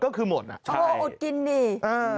โอ้อุดกินดี